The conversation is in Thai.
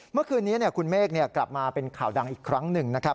เมื่อคืนนี้คุณเมฆกลับมาเป็นข่าวดังอีกครั้งหนึ่งนะครับ